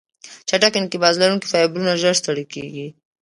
چټک انقباض لرونکي فایبرونه ژر ستړې کېږي.